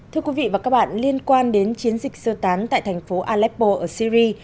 thưa quý vị và các bạn liên quan đến chiến dịch sơ tán tại thành phố aleppo ở syri